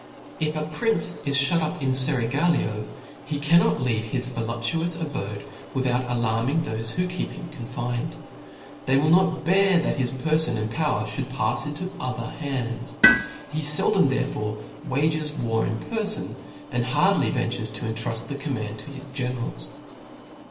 If a prince is (hut up in a feraglio, he cannot leave his voluptuous abode without alarming thofe who keep him confined. They will not bear that his perfon and power (hould p^fs into other hands. I He feldom therefore wages war in perfon, and hardly ventures to intruft the command to his generals.